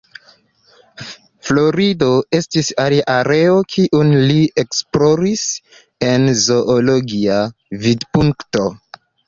Florido estis alia areo kiun li esploris el zoologia vidpunkto.